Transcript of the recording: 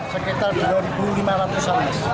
sekitar dua lima ratus alas